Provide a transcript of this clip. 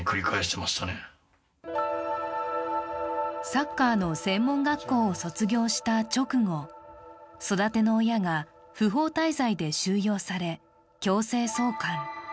サッカーの専門学校を卒業した直後、育ての親が不法滞在で収容され強制送還。